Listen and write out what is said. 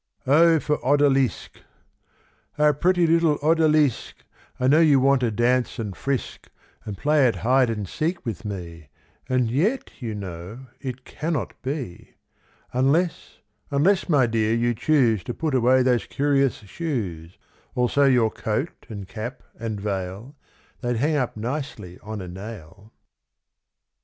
O for Odalisque. O pretty little Odalisque, I know you want to dance and frisk And play at hide and seek with me; And yet, you know, it cannot be, Unless unless, my dear, you choose To put away those curious shoes, Also your coat, and cap, and veil: They'd hang up nicely on a nail.